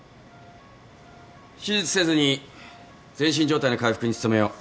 手術せずに全身状態の回復に努めよう。